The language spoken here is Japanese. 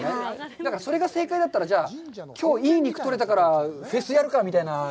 だから、それが正解だったら、じゃあ、きょう、いい肉取れたから、フェスやるかみたいな。